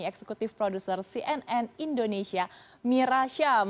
eksekutif produser cnn indonesia mira syam